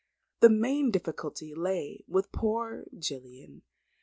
The main difficulty lay with poor Gillian.